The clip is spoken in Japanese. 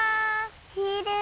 きれい！